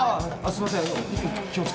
すいません。